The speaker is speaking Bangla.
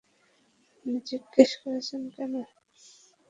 আপনি জিজ্ঞেস করছেন কেন?